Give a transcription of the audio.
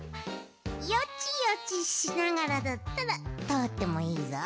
ヨチヨチしながらだったらとおってもいいぞ。